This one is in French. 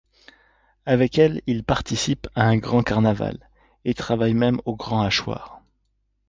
Avec elle il participe à un grand carnaval et travaille même au Grand Hachoir.